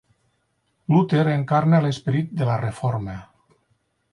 Luter encarna l'esperit de la Reforma.